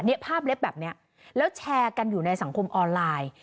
ภาพเล็บแบบนี้แล้วแชร์กันอยู่ในสังคมออนไลน์